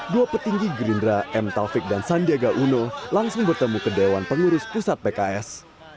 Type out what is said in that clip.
dua petinggi gerindra m taufik dan sandiaga uno langsung bertemu ke dewan pengurus pusat pks